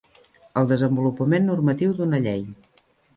El desenvolupament normatiu d'una llei.